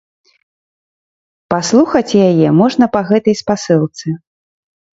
Паслухаць яе можна па гэтай спасылцы.